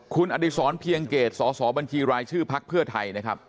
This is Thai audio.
คุณอดิษรเพียงเกตสสบัญชีรายชื่อภักดิ์เพื่อไทย